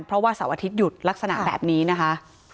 เพราะว่าเสาร์อาทิตยุดลักษณะแบบนี้นะคะ